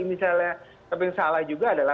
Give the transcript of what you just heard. misalnya tapi yang salah juga adalah